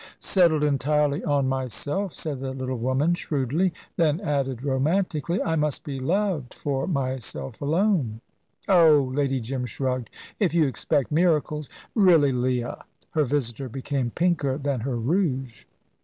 "Settled entirely on myself," said the little woman, shrewdly; then added romantically, "I must be loved for myself alone." "Oh!" Lady Jim shrugged. "If you expect miracles!" "Really, Leah!" Her visitor became pinker than her rouge.